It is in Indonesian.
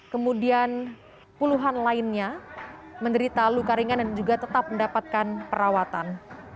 kemudian puluhan lainnya menderita luka ringan dan juga tetap mendapatkan perawatan